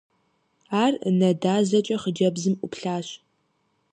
Ар нэ дазэкӀэ хъыджэбзым Ӏуплъащ.